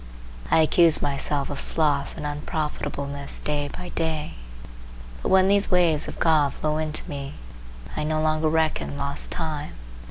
I accuse myself of sloth and unprofitableness day by day; but when these waves of God flow into me I no longer reckon lost time.